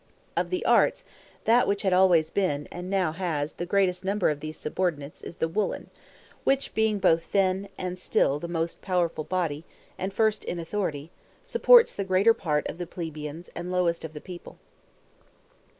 Of the arts, that which had always had, and now has, the greatest number of these subordinates, is the woolen; which being both then, and still, the most powerful body, and first in authority, supports the greater part of the plebeians and lowest of the people.